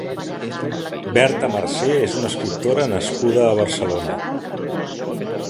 Berta Marsé és una escriptora nascuda a Barcelona.